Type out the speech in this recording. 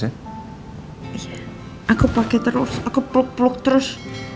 iya aku pake terus aku peluk peluk terus